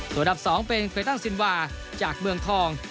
ส่วนดับสองเป็นเคยตั้งซินวาจากเมืองทอง